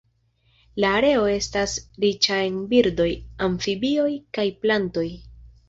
La areo estas riĉa en birdoj, amfibioj kaj plantoj.